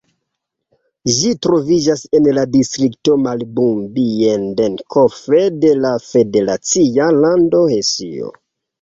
Ĝi troviĝas en la distrikto Marburg-Biedenkopf de la federacia lando Hesio.